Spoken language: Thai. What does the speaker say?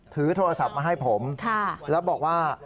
ถือโทรศัพท์มาให้ผมแล้วบอกว่า